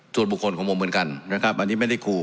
ส่วนบุคคลของผมเหมือนกันนะครับอันนี้ไม่ได้ครู